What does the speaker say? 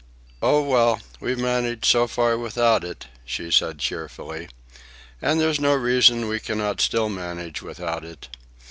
'" "Oh, well, we've managed so far without it," she said cheerfully. "And there's no reason why we cannot still manage without it."